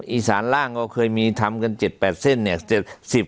อีสานล่างก็เคยมีทำกัน๗๘เส้นเนี่ย